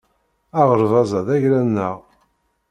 Aɣerbaz-a d agla-nneɣ